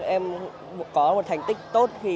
em có một thành tích tốt